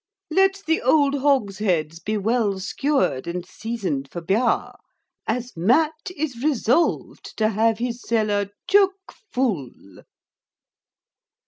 Let the ould hogsheads be well skewred and seasoned for bear, as Mat is resolved to have his seller choak fool.